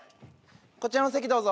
こちらの席どうぞ。